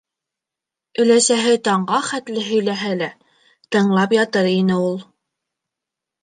Өләсәһе таңға хәтле һөйләһә лә, тыңлап ятыр ине ул.